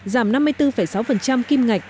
giảm năm mươi bốn sáu kim ngạch